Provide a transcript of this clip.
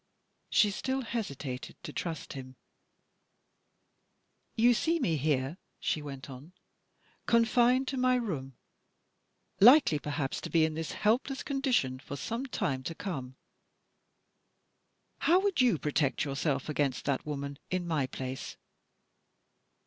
She still hesitated to trust him. "You see me here," she went on, "confined to my room; likely, perhaps, to be in this helpless condition for some time to come. How would you protect yourself against that woman, in my place?"